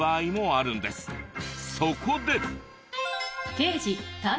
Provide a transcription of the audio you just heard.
そこで。